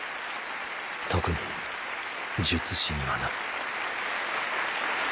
特に術師にはな。